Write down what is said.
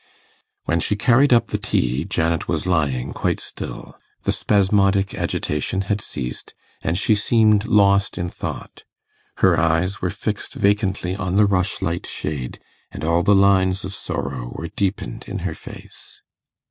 When she carried up the tea, Janet was lying quite still; the spasmodic agitation had ceased, and she seemed lost in thought; her eyes were fixed vacantly on the rushlight shade, and all the lines of sorrow were deepened in her face.